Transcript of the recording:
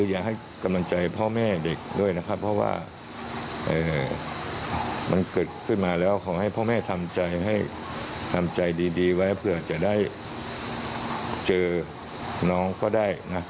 อยากให้กำลังใจพ่อแม่เด็กด้วยนะครับเพราะว่ามันเกิดขึ้นมาแล้วขอให้พ่อแม่ทำใจให้ทำใจดีไว้เผื่อจะได้เจอน้องก็ได้นะ